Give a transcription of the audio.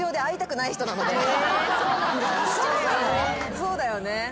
そうだよね。